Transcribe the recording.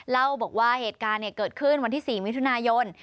เล่าบอกว่าเหตุการณ์เกิดขึ้นวันที่๔มิถุนายน